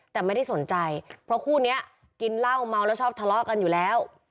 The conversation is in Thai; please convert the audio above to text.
แต่ไม่ได้สนใจเพราะคู่นี้กินเหล้าเมาแล้วชอบทะเลาะกันอยู่แล้ว